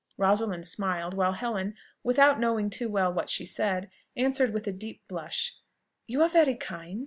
Rosalind smiled; while Helen, without knowing too well what she said, answered with a deep blush, "You are very kind."